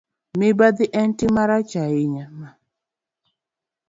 Mibadhi en tim marach ahinya ma